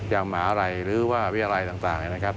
อย่างหมาไรหรือว่าเวียร์ไรต่างนะครับ